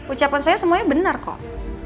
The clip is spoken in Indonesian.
ucapan saya semuanya benar kok